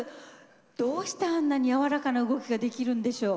どうしてあんなに柔らかな動きができるんでしょう？